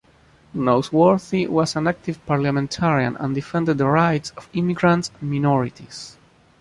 Noseworthy was an active parliamentarian and defended the rights of immigrants and minorities.